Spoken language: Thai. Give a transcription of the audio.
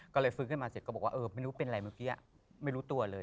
ก็เลยฟื้นขึ้นมาเสร็จก็บอกว่าเออไม่รู้เป็นอะไรเมื่อกี้ไม่รู้ตัวเลย